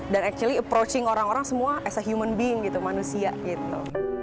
dan actually approaching orang orang semua as a human being gitu manusia gitu